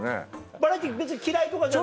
バラエティー別に嫌いとかじゃない？